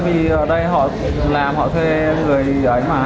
vì ở đây họ làm họ thuê người ấy mà